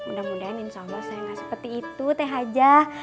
mudah mudahan insya allah saya gak seperti itu teh hajah